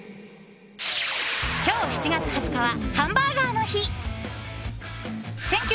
今日７月２０日はハンバーガーの日。